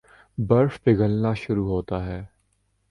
برف پگھلنا شروع ہوتا ہے